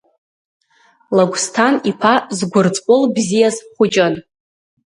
Лагәсҭан-иԥа згәырҵҟәыл бзиаз хәыҷын.